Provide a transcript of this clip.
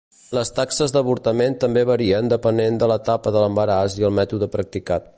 Les taxes d'avortament també varien depenent de l'etapa de l'embaràs i el mètode practicat.